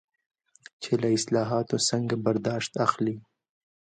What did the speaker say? چې له اصطلاحاتو څنګه برداشت اخلي.